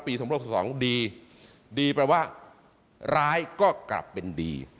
๒๐๑๒ดีดีแปลว่าร้ายก็กลับเป็นดี